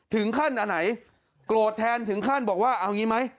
ถึงขั้นอันไหนโกรธแทนถึงขั้นบอกว่าเอาอย่างงี้ไหม